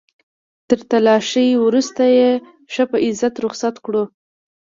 تر تلاشۍ وروسته يې ښه په عزت رخصت کړو.